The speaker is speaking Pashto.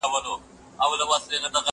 زه اجازه لرم چي سبا ته فکر وکړم